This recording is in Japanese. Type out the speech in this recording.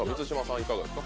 いかがですか？